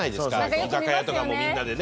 居酒屋とかもみんなでね。